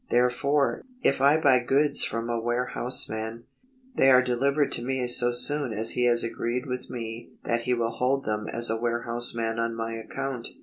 Therefore, if I buy goods from a warehouseman, they are delivered to me so soon as he has agreed with me that he will hold them as warehouseman on my account.